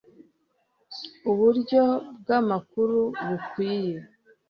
uburyo bw amakuru bukwiye